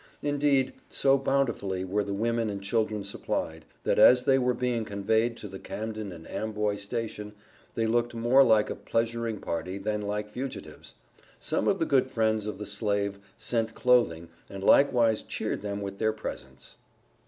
Indeed, so bountifully were the women and children supplied, that as they were being conveyed to the Camden and Amboy station, they looked more like a pleasuring party than like fugitives. Some of the good friends of the slave sent clothing, and likewise cheered them with their presence.